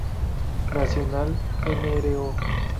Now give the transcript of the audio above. Nacional Nro.